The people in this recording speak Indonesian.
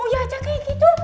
uyak aja kayak gitu